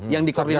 yang di koordinasi